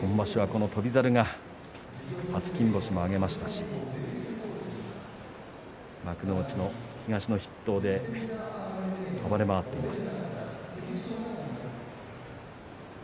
この翔猿は初金星も挙げましたし幕内の東の筆頭で暴れ回っています。